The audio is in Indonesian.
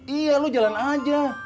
iya lu jalan aja